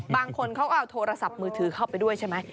บางคนเขาก็เอาโทรศัพท์มือถือเข้าไปด้วยใช่ไหม